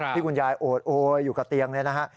ที่คุณยายโอดโอยอยู่กับเตียงเนี่ยนะฮะ